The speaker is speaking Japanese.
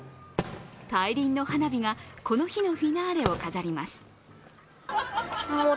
大輪の花火がこの日のフィナーレを飾ります。